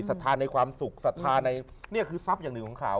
ทัลในความสุขศรัทธาในนี่คือทรัพย์อย่างหนึ่งของเขา